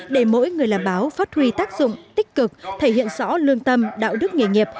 để mỗi người làm báo phát huy tác dụng tích cực thể hiện rõ lương tâm đạo đức nghề nghiệp